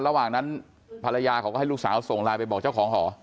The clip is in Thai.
ระหว่างนั้นภรรยาเขาก็ให้ลูกสาวส่งไลน์ไปบอกเจ้าของหอ